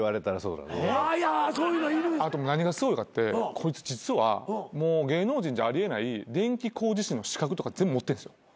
あと何がすごいかってこいつ実はもう芸能人じゃあり得ない電気工事士の資格とか全部持ってるんですよ。